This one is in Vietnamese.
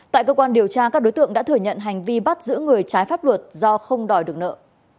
tại cơ quan điều tra các đối tượng đã thừa nhận hành vi bắt giữ người trái pháp luật do không đòi được nợ